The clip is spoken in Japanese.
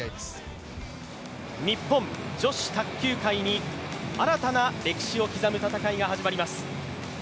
日本女子卓球界に新たな歴史を刻む戦いが始まります。